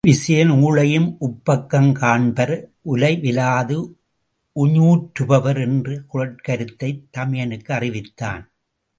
விசயன் ஊழையும் உப்பக்கம் காண்பர் உலை விலாது உஞற்றுபவர் என்ற குறட் கருத்தைத் தமையனுக்கு அறிவித்தான்.